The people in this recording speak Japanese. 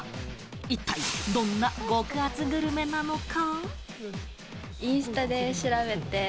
一体どんな極厚グルメなのか？